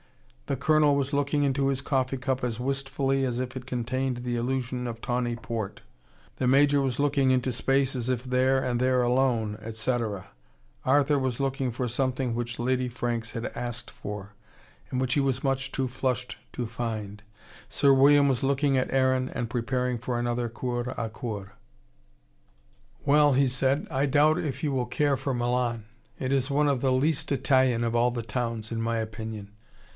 The Colonel was looking into his coffee cup as wistfully as if it contained the illusion of tawny port. The Major was looking into space, as if there and there alone, etc. Arthur was looking for something which Lady Franks had asked for, and which he was much too flushed to find. Sir William was looking at Aaron, and preparing for another coeur a coeur. "Well," he said, "I doubt if you will care for Milan. It is one of the least Italian of all the towns, in my opinion.